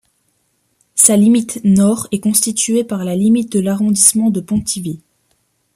Sa limite nord est constituée par la limite de l'arrondissement de Pontivy.